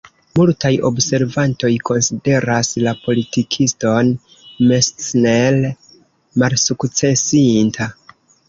Multaj observantoj konsideras la politikiston Messner malsukcesinta.